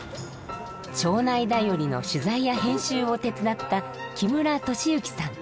町内だよりの取材や編集を手伝った木村俊之さん。